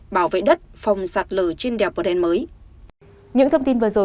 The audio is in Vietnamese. bảo vệ đất phòng sạt lở trên đèo bren mới